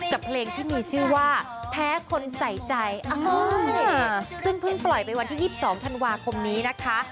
กับเพลงที่มีชื่อว่าแพ้คนใส่ใจซึ่งเพิ่งปล่อยไปวันที่๒๒ธันวาคมนี้นะคะ